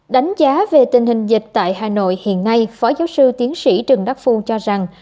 đánh giá về tình hình dịch tại hà nội hiện nay phó giáo sư tiến sĩ trần đắc phu cho rằng